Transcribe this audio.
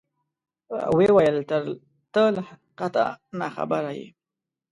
ویې ویل: ته له حقیقته ناخبره یې.